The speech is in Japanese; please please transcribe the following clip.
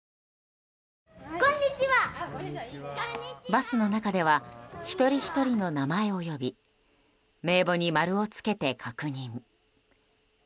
バスの中では一人ひとりの名前を呼び名簿に丸を付けて確認。